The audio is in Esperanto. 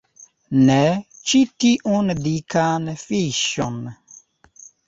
Ne, ĉi tiun dikan fiŝon